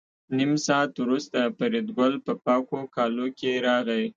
نیم ساعت وروسته فریدګل په پاکو کالو کې راغی